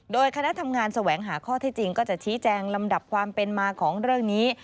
โดยคณะทำงานแสวงหาข้อเท็จจริงก็จะชี้แจงลำดับความเป็นมาของเรื่องนี้